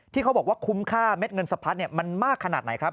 เขาบอกว่าคุ้มค่าเม็ดเงินสะพัดมันมากขนาดไหนครับ